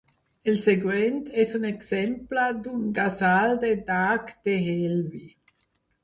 El següent és un exemple d'un Ghazal de Daag Dehelvi.